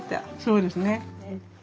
そうですね。